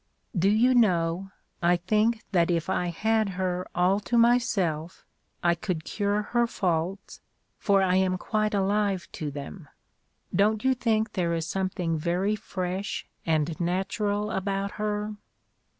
"Do you know, I think that if I had her all to myself I could cure her faults, for I am quite alive to them. Don't you think there is something very fresh and natural about her?"